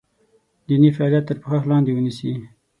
دیني فعالیت تر پوښښ لاندې ونیسي.